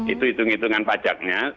itu hitung hitungan pajaknya